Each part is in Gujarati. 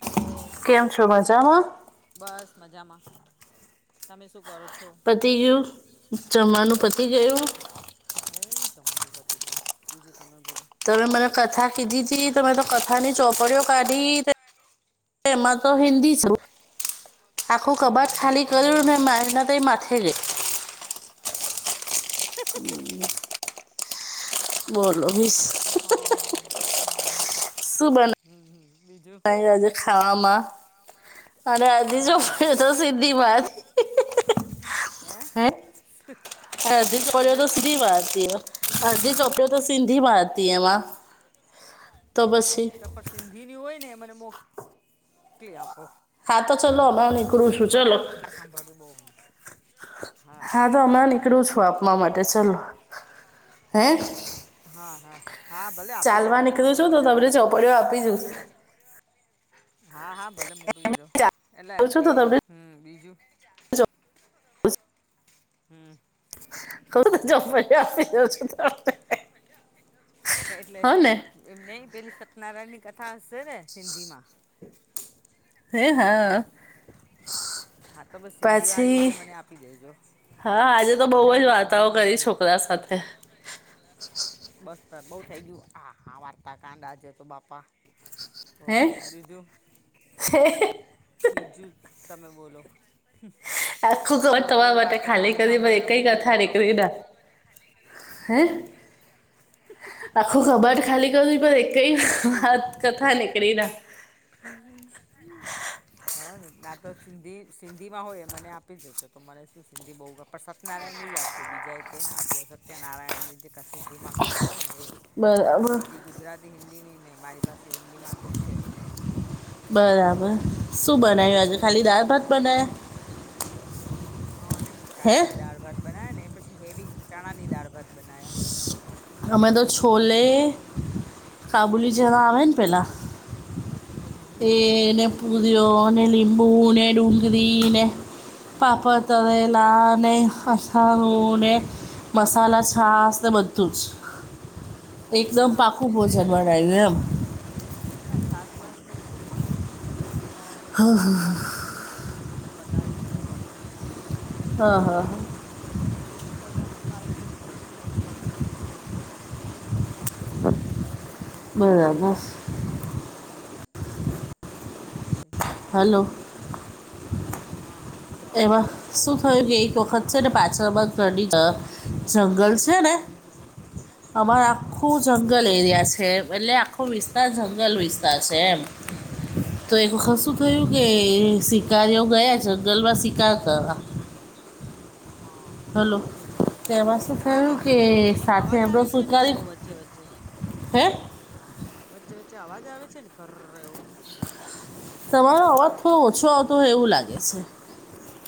હલો કેમ છો મજામાં બસ મજામાં તમે શું કરો છો પતી ગયું જમવાનું પતી ગયું હો જમા નુ પતી ગયું બીજું તમે બોલો તમે મને કથા કીધી તી તમે તો કથા ની ચોપડીઓ કાઢી એમાં તો હિન્દી છ આખું કબાટ હમ ખાલી હમ કર્યું હમ ને હમ માના ત એ માથે ગે [inaudible] બોલો વીસ હા હા હા હમ્મ શું બનાવી હમ્મ હ બીજું આજે ખાવા માં અને હજી જો ચણાની દાળ પડ્યો તો ભાત સીધી બનાવી માથ હે હચઓ શું તો થયું સધી વાત તીઓ અડધી ચોપડીઓ તો સિંધી મા હતી એવું એમાં તો પછી તો પણ સિંધીની હોય ને મને મો કલી આપો હા તો ચલો નીકળું છું મને ચલો આમ જ સાભડવુ બો ગમે હા તો હમાં નીકળું છું આપવા માટે ચલો હે હા હા હા ભલે આપી જાઓ. મને તો બહુ મજા આવે પડ્યો આપી જુશ હા હા ભલે મોકલી દો એટલે ચાલુ છું તો પી તમને હમ્મ બીજું ચો- હમ્મ [unintelligible] એટલે હો ને એમને પેલી સત્યનારાયણ ની કથા હશે ને સિંધી માં હે હ હા તો બસ સિંધી વાળીઓ પછી હોય એ મને આપી દેજો. હા આજે તો મને બવો જ અમે વાર્તાઓ સિંધીમાં કરી છોકરા સાથે. બસ સર બઉ થઇ ગયું હ હા વાર્તા કાંડ આજે તો બાપા તો હે બીજું બીજું તમે બોલો હમ્મ આખું ઘર તમારા માટે ખાલી કરી સાંભળીને એકઈ મમ્મી કથા બતો નીકળી ના હે આખું કબાટ ખાલી કરી દ પ એ કેઈ વાત કથા નીકળ ના કથા નીકળી ના હ ને ના તો સંધી સિંધીમાં હોય મને આપી જજો તો મને શું સિંધી બવ ગ પણ સત્નારાયણની જ આપજો બીજા એ કંઈ નાને આપજ સત્યનારાયણની જે સિદધીમાં કથા હોય ને એ બરાબર બીજી ગુજરાતી હિન્દીની ને મારી પાસે હિન્દીમાં તો છે. બરાબર હમ શું બનાવ્યું આજે? ખાલી દાળ - ભાત બનાયા. હ નહીં હે ચણાની દાળ - ભાત બનાવ્યા ને એ પછી હેવી ચણાની દાળ- ભાત બનાવ્યા. અમે તો છોલે, કાબુલી જવા હમ આવે ને હમ પેલા. હમ હમ. એને પૂરયોને નિબૂને, ડુંગરી ને પાપડ. હમ તરેલા ને. હા હું ને મસાલા છાસ ને બધું જ. હમ એકદમ ના પાકુ એટલે ભોજન બનાયું એમ. ના છાસબસ લવું તો ખરું જ પણ ચણાની દાળ હેવી. થઈ ગઈ ને એટલે પછી વધારે કશું તળ્યું નહી. એમ હા પછી હવે. હા બધાથી લાઈટ પેટ જ ખાવું છ હલકુ ફુલકું એમ એટલે. હમ. બરાબસ. [inaudible] [unintelligible] તી ના કતે. હલો [inaudible] [unintelligible] [unintelligible] હા હા બુધાયો એમાં ઓ શું બોલો થયું કે એક વખત છે ને પાછળ બાદ રડી ત. જંગલ છે ને. ઘર્ર અવાજ થાય છે. અમાર હા હા આખું જંગલ એરિયા છે એટલે આખો વિસ્તાર જંગલ વિસ્તાર છે એમ. તો એક અવાજ વખત શું હતો તો થયું ઘર કે ઘર. શિકારી એવ ગયા જંગલમાં શિકાર કરવા. હા. હા હલો તો એમાં શું થું હા કે હા કેમ સાથે અવાજ આવે એમડ છે ને સુચારી. થોડો વચ્ચે વચ્ચે હે. વચ્ચે વચ્ચે અવાજ આવે છે ને કરવ. તમારો અવાજ થોડો ઓછો આવતો હોય એવું લાગે છે. લ.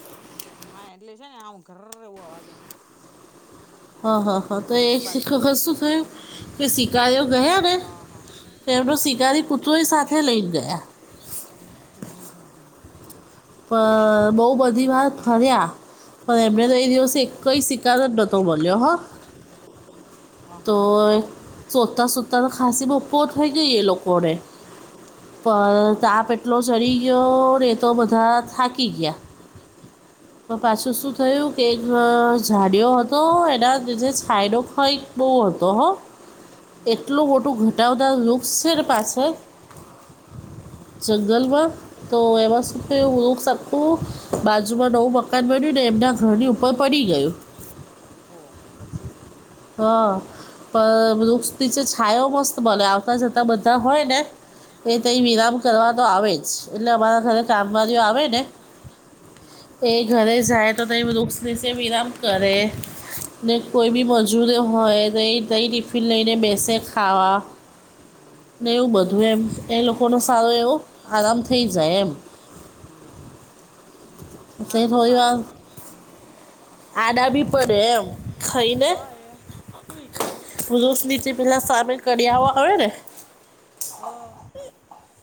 હા એટલે છે ને હું ઘર રવું અવાજે. હા હા હા તો એ પાછું છે વખત ને શું થયું કે શકારો ગયા ને. હા હા તો એમનો શિકારી પુત્રોય સાથે લઈ ગયા. હા હા હા હા. પણ બહુ બધી વાત ફર્યા પણ એમણે તો એ દિવસે એક. કોઈ શિકાયત નો ભલ્યો હ. કે. તો. સોતા સુતા ખાંસી બપ્પો થઈ ગઈ એ લોકોને પણ હા હા ચાપ હા એટલો. તાપ એટલો ળયો રે ચડી તો બધા ગયો ને તો થાકી બધા ગયા. થાકી ગયા હમ પાછું હમ શું થયું કે જાડિયો હતો એના છાયડો કઈ. બહુ તો હ. હમ હમ એટલું મોટું ઘટાતા લુક્સ છે ને પાછળ. હમ હમ હમ જંગલમાં તો એમાં શ. હું બાજુમાં નવું મકાન બન્યું ને એમના ઘરની ઉપર પડી ગયું. ઓહો પછી. હ પણ વૃક્ષ નીચ છાાયો મસ્ત બને આવતા જતા બધા હોય ને. એ ત વિરામ હમ. કરવા તો આવે જ એટલે અમારા ઘરે કામવાારીઓ આવે ને. હમ. એ ઘરે જાય તો ત વૃક્ષસે વિરામ કરે. ને કોઈ હમ બી મજૂરો હોય તો તે ટિફિન લઈને બેસે ખાવા. હમ ને એવું હમ બધું એમ એ લોકોનો સારો એવો આરામ થઈ જાય એમ. હમ હમ. હા તો થોડી વા સારું આડા બી પડે એમ. હા એ સુુંઈ જાય. સ નીચે પેલા સામેલ કરિયા આવે ને. હા.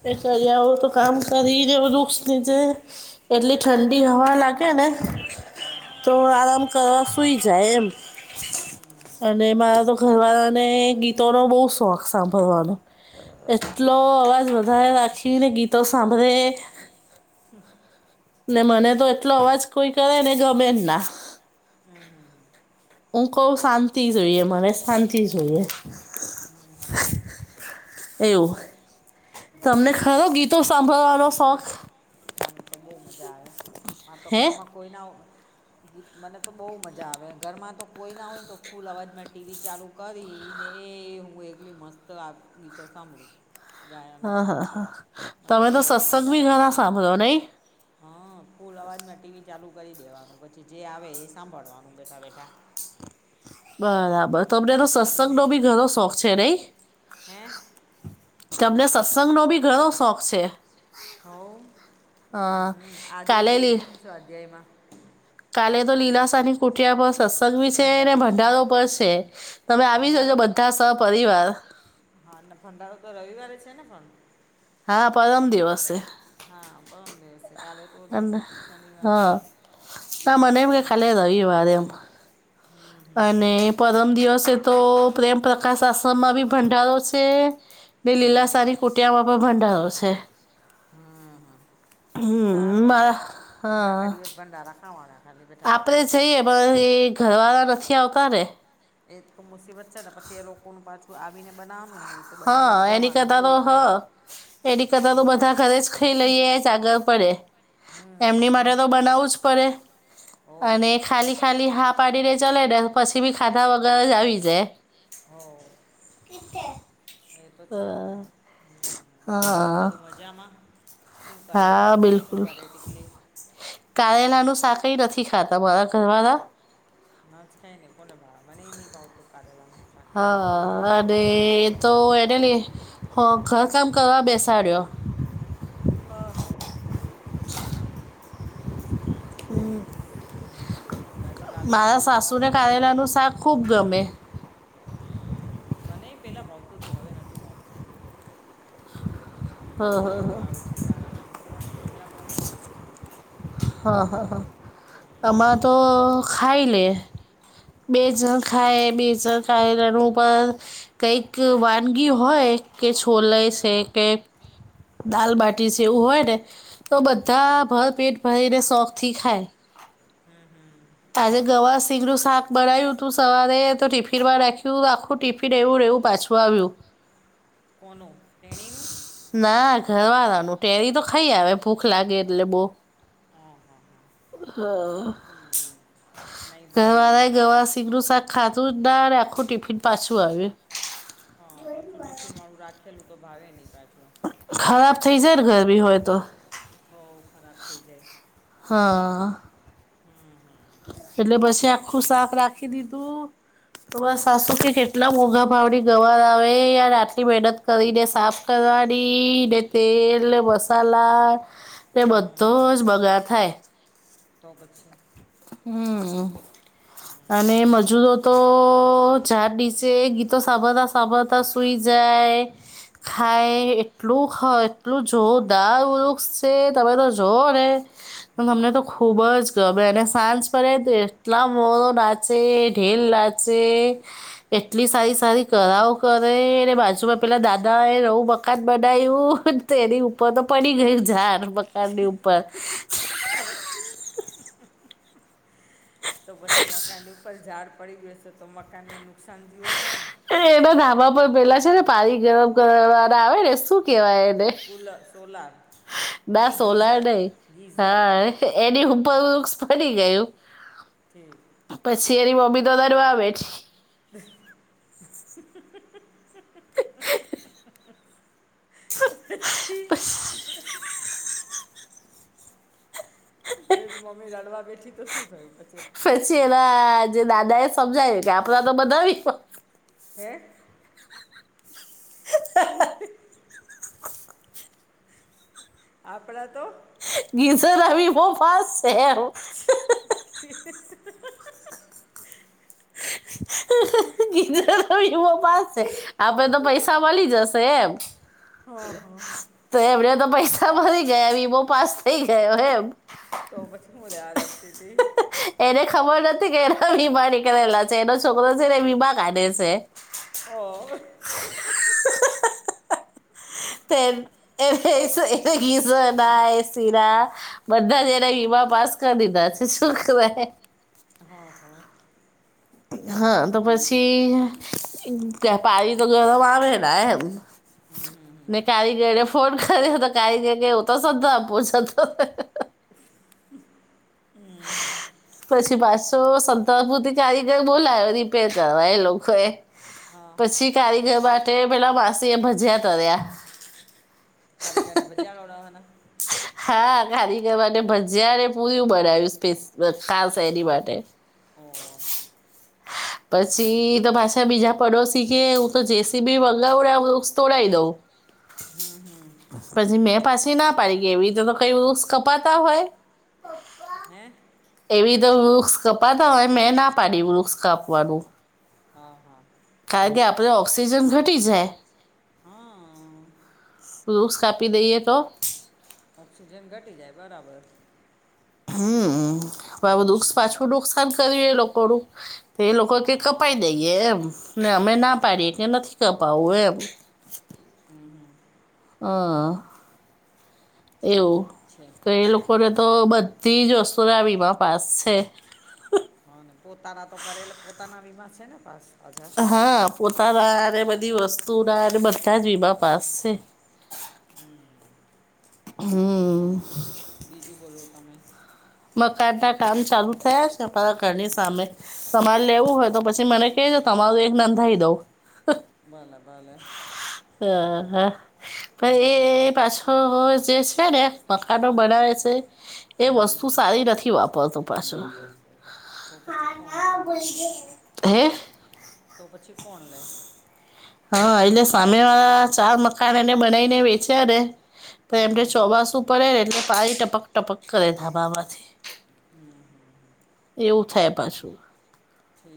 એ કરી આવો તો કામ કરી દવ વૃક્ષ નીચે એટલે. ઠંડી હવા લાગે ને હમ હમ હમ હમ હમ હમ હમ હમ તો આરામ. સુઈ જાય એમ. અને મારા તો ઘરવાળાને ગીતોનોો બહુ શોખ સાંભળવાનો. એટલો અવાજ વધારે રાખીને ગીતો સાંભળે. ને મને તો એટલો અવાજ કોઈ કરે ને ગમે ના. હમ હમ હ. હું કઉ શાંતિ જોઈએ મને શાંતિ જોઈએ. હમ હમ. એવું. તમને ખરો ગીતો સાંભળવાનો શોખ. મને તો બહુ મજા આવે આ તો હે ઘરમાં કોઈ ના હો. ગીત મને તો બહુ મજા આવે ઘરમાં તો કોઈ ના હોય તો ફૂલ અવાજમાં ટીવી ચાલુ. કરીને હું એકલી મસ્ત ગીતો સાંભળું છ. હા હા હા તમે તો બહુ સત્સંગ મજા બી આવે ઘણા સાંભળો નઈ. હા ફુલ અવાજમાં ટીવી ચાલુ કરી દેવાનું પછી જે આવે એ સાંભળવાનું બેઠા બેઠા. [inaudible] હમ, બરાબર તમને હમ. તો સત્સંગ બીજું નો બી ઘણો શોખ છે નહી. હે. તમને સત્સંગ નો બી ઘણો શોખ છે. હવ હા હમ આજે જ કાલે ગઈ લી હતીમ સ્વાધ્યાયમાં. કાલે તો આજે લીલાસ અને કુઠ્યા બસ. સત્સંગ બી છે ને ભંડારો પર છે તમે આવી જજો ભંડારો બધા સપિવાર. હા ભડારો તો રવિવારે છે ને પણ. હા પરમ દિવસે છે. હા પણ દિવશે કાલે તો દિવ અને શનિવાર. હા ના મનેમાં કે હમ ખાલે હમ તોવ વાદ એમ અને. પરમ દિવસે તો પ્રેમ પ્રકાશ આશ્રમમાં બી ભંડારો છે. બે હમ હમ લીલાસાની કુટિયામાં પણ ભંડારો છે. હમ હમ હમ સારું ને મારા બસ હા આખા દિવસ ભંડારા ખાવાના ખાલી બેઠા આપે બેઠા જઈએ. પણ એ ઘરવાળા નથી આવતાારે. એ તો મુસીબત છે ને પછી એ લોકો ન પાછું આવીને બનાવાનું. હા એની કતા તો હ. એની કતાા તો બધા ઘરે જ ખઈ લઈએ જ આગળ પડે. હમ એમની માટે હમ તો બનાવું જ પડે. ઓ અને ખાલી ખાલી હા પડીને ચલે પછી બી ખાધા વગર જ આવી જાય. હ. એ તો છે જ ને હ બીજું હા બધું મજામાં. શું કરે ટીકલી શું કરે ટીકલી. કાારેલાનું શા કઈ નથી ખાતા મારા ઘરવાળા. ના જ ખાય ને કોને ભા મને નઈ ભાવતું કાર્યાલમાં. હા અને તો એને લઈ ઘર કામ કરવા બેસાડ્યો. હા હા. ઠીક છે. હમ પછી કાલે મારા સ્કૂલ સાસુને જવાનું કે રજા. કારેલાનું શાક ખૂબ ગમે હ મને પેલા ભાવતું તું હવે નથી ભાવતું. હા હવેું ઓછું ભાવે છે કારેલાનું સ્વાસ પહેલાં બહુ ભાવતો. હા હા હા આમાં હમ તો ખાઈ લે. બે હા ઝણખાય બે ઝણખાય એણ ઉપ કંઈક વાનગી હોય. કે છોલે છે હમ કે દાલબાટી છે એવું હોય ને. તો હમ બધા ભર પેટ ભરીને શોખથી ખાય. હમ્મ હમ્મ આજે ગવાર સીંગું શાક બનાય્યું તું સવારે તો ટિફિન માં રાખ્યું આખુ આખું ટિફિન એવું ને એવું પાછું આવ્યું. કોનો તેણી નું. ના ઘરવાળાનું ટેરી તો ખાઈ આવે ભૂખ લાગે એટલે બહુ. હ હા હા. હ ઠીક નહીં ભાવ્યું તમારે હે હોય ગવાર સીંગ નુ સાક ખાધું ડારે આખું ટિફિન પાછું આવ્યું. હા પછું ચ ફીર મારું રાખેલું તો ભાવે નહી પાછુ ખરાબ થઇ જાય ને ગરમી હોય તો. હો ખરાબ થઈ જાય. હા. હમ એટલે પછી આખું સાફ રાખી દીધું. તમારા હમ સાસુ કે કેટલા મોઘા ભાવડી ગવાર આવે એ આટલી મહેનત. કરીને સાફ કરવાની ને તેલ મસાલા ને હમ બધો હમ જ બગાળ થાય તો પછી હમ્મ હમ અને મજુરો તો તો ચાર દસે ગીતો સાંભળ સાભડતા સુઈ જાય હમ ખાય એટલું એટલું જોદાર વૃક્ષ છે તમે તો જોઓ ને તમને તો હમ ખુબ જ ગ એને સાંજ પડે તો એટલા મોર નાચે ઢેલ નાચે એટલી સારી સારી કરાઓ કરે ને બાજુમાં પેલા દાદા એ એવુ મકાન બનાવું તેની ઉપર તો પડી ગયું ઝાડ મકાન ની ઉપર તો પછી મકાનની ઉપર ઝાડ પડી ગશે તો મકાનને નુકસાન થયું હશે એના ધાબા પર પેલા છે ને પાણી ગરમ કરવા વાળા આવે ને શું કેવાય એને ફુલ સોલાર ના નહીં સોલાર ગીઝર નઈ ગીઝર હા એની ઉપર વૃક્ષ પડી ગયું ી પછી એરી મ્બી તો વધાર આવે જ [inaudible] પછી [inaudible] તે જ મમ્મી રડવા બેઠી તો શું થયું પછી પછી એના જે દાદા એ સમજાવ્યું કે આપડા તો બધવી હે [inaudible] આપણા તો ડિસો લવ વી બો ફાસ્ટ છે એમ [inaudible] [unintelligible] પાસ છે આપે તો પૈસા મળી જશે એમ હા હા તો એમને તો પૈસા મરી ગયા વિમો પાસ થઈ ગયો એમ તો પછી હું યાદ રાખતી હતી એને ખબર નથી કે એના બીમા નીકળેલા છે એનો છોકરો છેને બીમા કાઢે છે હ. [unintelligible] [inaudible] એ એ ગીસ ના એ સરા. બધા જના વીમા પાસ કરી દીધા છે શું કવાય. હા હા. હા તો ઠીક પછી વ્યાપારી તો ગરમ આવે ને એમ. હમ. હમ ને હમ કારીગરને ફોન કર્યો તો કારીગર કેવું તો શધાુંછતો. પછી પાછો સતાપુરતી કારીગર બોલાયો રીપેર કરવાય એ લોકો એ. હા હા પછી કારીગર માટે પેલા માસી એ ભજયા તર્યા. ક કરીને ભજ્યા ગડા હના. હા કારીગર માટે માટે ભજયાને પૂરું બનાવ્યું સ્ ખાસ એની માટે. ઓ. પછી તો પાછા બીજા પડોશી કે હું તો જેસી બી વગાવડ તોડાવ દઉં. હમ. હમ ભાજીી મેં પાસે ના. ડી ગ એવી રીતે તો કઈ વ કપાતા હોય. હે એવી તો વૃક્ષ કપાતા હોય મેં ના પાડી વૃક્ષ કાપવાનું હા હા. કારણ કે આપદે ઓક્સિજન ઘટી જાય. હા. વૃક્ષ કાપી દઈએ તો. ઓક્સિજન ઘટી જાય બરાબર. હમ દુ હમ પાછું નુકસાન કર એ લોકોનુંું તો એ લોકો કે હા કપાઈ દઈએ એમ ને અમે ના હા હા પાડીએ કે નથી કપાવું એમ હમ હમ. હ. જી. તો એ લોકોને તો બધી જ વસ્તુના વીમા પાસ છે. હા ને પોતાના તો કરેલા પોતાના બીમા છે ને પાસ હજાર. હા પોતાના અને બધી વસ્તુ ના અને બધા જ વીમા પાસ છે. હમ. હમ. બીજું બોલો તમે. મકાન ના કામ ચાલુ થયા છે મારા ઘરની સામે. તમારે લેવું હોય તો પછી મને કેજો તમારું એક નંધાઈ દઉં. ભલે ભલે. હા હા. હમ એ પાછો જે છે ને મકાનો બનાવે છે એ વસ્તુ. વાસ્તુ હમ સારી નથી વાપરતું પાછો તો પછી ફોન લે. હે. તો પછી કોણ લે. હા એલે સામે વાળા ચાર મકાન એને બનાવીને વેચ્યા ને. તો એમને હમ ચોમાસું પડે ને એટલે પાની ટપક ટપક કરે ધાબામાંથી. હમ એવું થાય પાછું. ઠીક